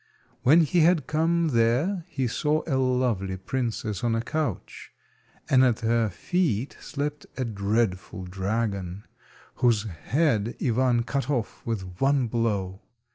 When he had come there he saw a lovely princess on a couch, and at her feet slept a dreadful dragon, whose head Ivan cut off with one blow.